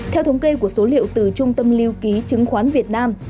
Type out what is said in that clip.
theo thống kê của số liệu từ trung tâm lưu ký chứng khoán việt nam